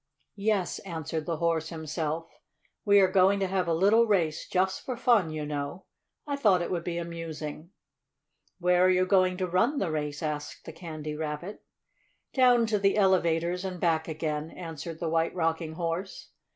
"Yes," answered the Horse himself, "we are going to have a little race, just for fun, you know. I thought it would be amusing." "Where are you going to run the race?" asked the Candy Rabbit. "Down to the elevators and back again," answered the White Rocking Horse.